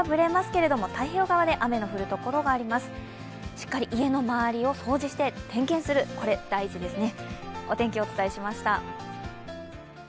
しっかり家の周りを掃除して点検する、これ大事ですね。